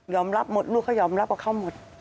ยอมรับหมดลูกก็ยอมรับว่าเขาหมด